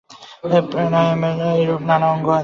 প্রাণায়ামের এইরূপ নানা অঙ্গ আছে।